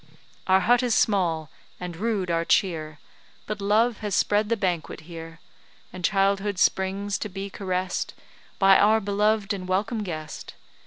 Our hut is small, and rude our cheer, But love has spread the banquet here; And childhood springs to be caress'd By our beloved and welcome guest.